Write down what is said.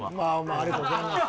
まあありがとうございます。